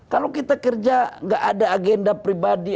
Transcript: kalau kita kerja nggak ada agenda pribadi